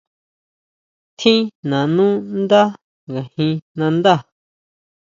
¿Tjin nanú ndá ngajin nandá?